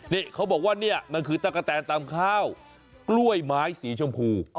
นี่เขาบอกว่าเนี่ยมันคือตะกะแตนตำข้าวกล้วยไม้สีชมพู